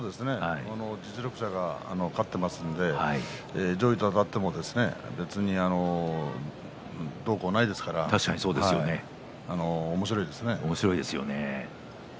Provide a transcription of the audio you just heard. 実力者が勝っていますので上位とあたっても別に、どうこうないですからおもしろいですね。